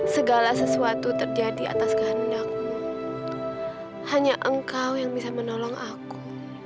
segala sesuatu terjadi atas kehendakmu hanya engkau yang bisa menolong aku